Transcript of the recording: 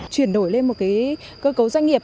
chuyển đổi lên một cái cơ cấu doanh nghiệp